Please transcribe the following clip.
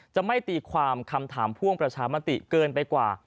จะไม่ตีความคำถามพ่วงประชามติเกินไปกว่า